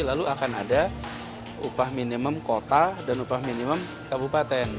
lalu akan ada upah minimum kota dan upah minimum kabupaten